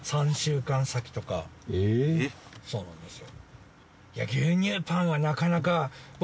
そうなんですよ。